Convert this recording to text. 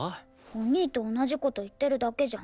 お兄と同じ事言ってるだけじゃん。